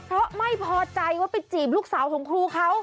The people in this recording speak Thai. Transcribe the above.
เพราะไม่พอใจว่าไปจีบลูกสาวของครูเขา